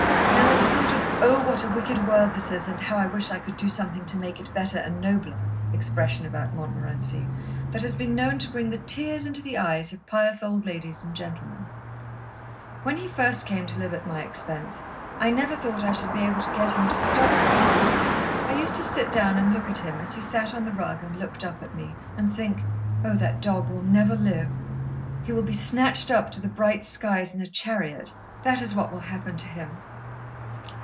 There is a sort of Oh what a wicked world this is and how I wish I could do something to make it better and nobler expression about Montmorency that has been known to bring the tears into the eyes of pious old ladies and gentlemen. When first he came to live at my expense, I never thought I should be able to get him to stop long. I used to sit down and look at him, as he sat on the rug and looked up at me, and think: "Oh, that dog will never live. He will be snatched up to the bright skies in a chariot, that is what will happen to him."